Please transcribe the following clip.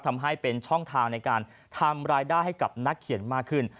ทำให้เป็นช่องทางในการทำรายได้ให้กับนักเขียนมากขึ้น